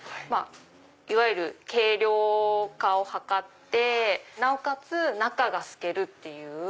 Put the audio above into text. いわゆる軽量化を図ってなおかつ中が透けるっていう。